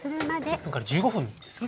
１０分から１５分ですかね。